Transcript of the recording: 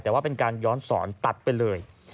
แต่ว่าเป็นการย้อนสอนตัดไปเลย